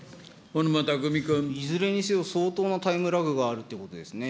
いずれにせよ、相当なタイムラグがあるということですね。